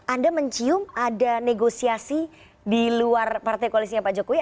anda mencium ada negosiasi di luar partai koalisinya pak jokowi